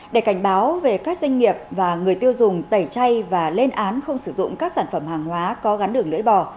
để cảnh báo về các doanh nghiệp và người tiêu dùng tẩy chay và lên án không sử dụng các sản phẩm hàng hóa có gắn đường lưỡi bò